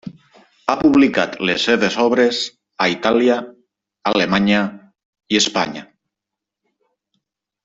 Ha publicat les seves obres a Itàlia, Alemanya i Espanya.